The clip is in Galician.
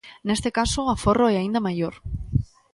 Neste caso, o aforro é aínda maior.